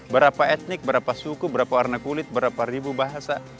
berapa etnik berapa suku berapa warna kulit berapa ribu bahasa